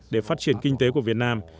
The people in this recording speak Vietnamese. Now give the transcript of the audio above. để phát triển kinh tế của việt nam